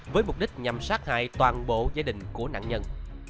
với mục đích nhằm sát hại toàn bộ gia đình của nạn nhân